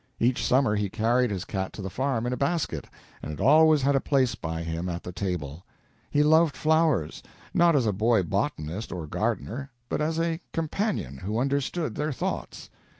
Each summer he carried his cat to the farm in a basket, and it always had a place by him at the table. He loved flowers not as a boy botanist or gardener, but as a companion who understood their thoughts.